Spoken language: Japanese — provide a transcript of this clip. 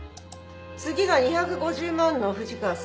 次が２５０万の藤川さん。